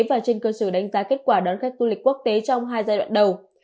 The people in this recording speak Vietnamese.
và trên cơ sở đánh giá kết quả đón khách du lịch quốc tế trong hai giai đoạn đầu